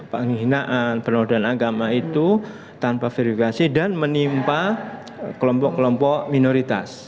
penghinaan penodaan agama itu tanpa verifikasi dan menimpa kelompok kelompok minoritas